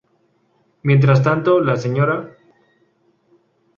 Mientras tanto, la Sra.